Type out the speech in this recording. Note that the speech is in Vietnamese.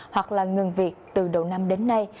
hoặc là ngừng việc từ đầu năm đến nay